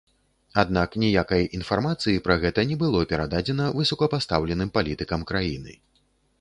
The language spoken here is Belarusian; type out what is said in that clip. Аднак ніякай інфармацыі пра гэта не было перададзена высокапастаўленым палітыкам краіны.